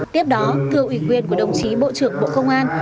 tiếp đó thưa ủy quyền của đồng chí bộ trưởng bộ công an